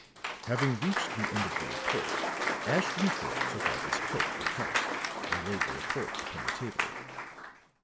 Having reached the end of the report, Ashton Kirk took off his coat and hat and laid the report upon the table.